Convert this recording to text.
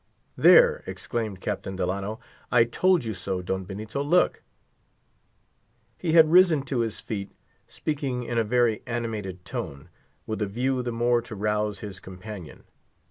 "There," exclaimed Captain Delano, "I told you so, Don Benito, look!" He had risen to his feet, speaking in a very animated tone, with a view the more to rouse his companion.